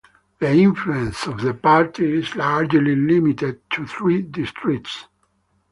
The influence of the party is largely limited to three districts.